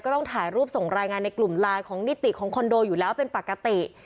ต้องถ่ายรูปส่งรายงานในกลุ่มไลน์ของนิติของคอนโดอยู่แล้วเป็นปกติ